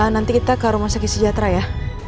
nanti kita kalau masih sejahtera ya